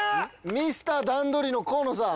ミスター段取りの河野さん。